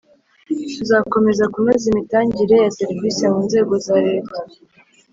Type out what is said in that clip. tuzakomeza kunoza imitangire ya serivisi mu nzego za Leta